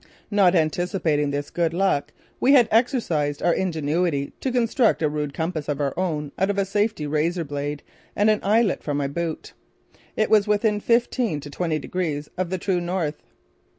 Not anticipating this good luck, we had exercised our ingenuity to construct a rude compass of our own out of a safety razor blade and an eyelet from my boot. It was within fifteen to twenty degrees of the true north.